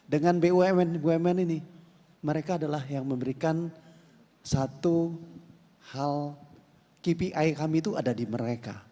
dengan bumn bumn ini mereka adalah yang memberikan satu hal kpi kami itu ada di mereka